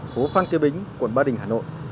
phố phan kiếp bính quận ba đình hà nội